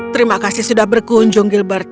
terima kasih sudah berkunjung gilbert